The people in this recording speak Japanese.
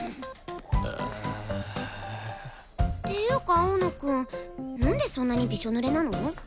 ていうか青野くんなんでそんなにびしょぬれなの？